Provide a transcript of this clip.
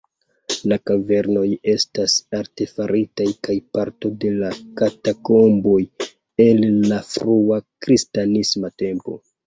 La kavernoj estas artefaritaj kaj parto de katakomboj el la frua kristanisma tempo.